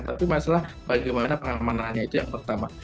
tapi masalah bagaimana pengamanannya itu yang pertama